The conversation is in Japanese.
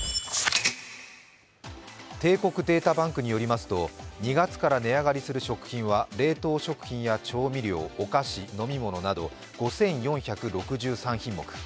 帝国データバンクによりますと２月から値上がりする食品は冷凍食品、調味料、お菓子、飲み物など５４６３品目。